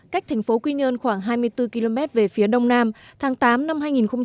cách thành phố quy nhơn khoảng hai mươi bốn km về phía đông nam tháng tám năm hai nghìn một mươi chín